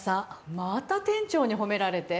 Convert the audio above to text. また店長に褒められて。